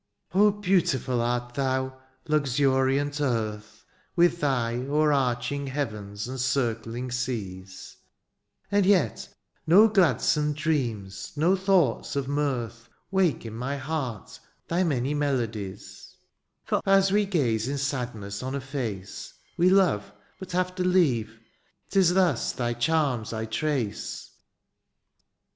^^ Oh ! beautiful art thbu^ luxuriant earthy ^^ With thy o'er arching heavens and circling seas, ^' And yet no gladsome dreams, no thoughts of mirth, " Wake in my heart thy many melodies ;'^ For as we gaze in sadness On a face ^^ We love, but have to leave, ^tis thus thy charms I trace.